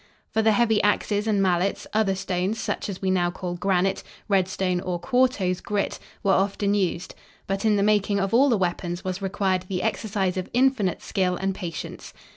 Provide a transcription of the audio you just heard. For the heavy axes and mallets, other stones, such as we now call granite, redstone or quartose grit, were often used, but in the making of all the weapons was required the exercise of infinite skill and patience.